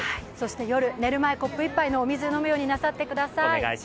夜、寝る前コップ１杯のお水を飲むようになさってください。